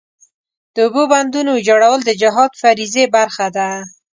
د اوبو بندونو ویجاړول د جهاد فریضې برخه ده.